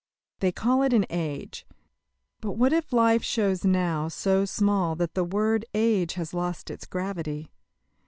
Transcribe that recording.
They call it an age; but what if life shows now so small that the word age has lost its gravity?